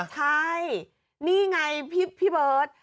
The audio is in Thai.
ใช่นี่ไงพี่เบิร์ต